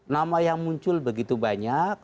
nama yang muncul begitu banyak